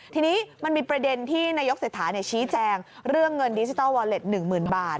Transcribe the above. ทีนี้มันมีประเด็นที่นายกเศรษฐาชี้แจงเรื่องเงินดิจิทัลวอเล็ต๑๐๐๐บาท